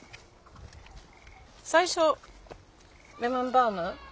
最初レモンバーム。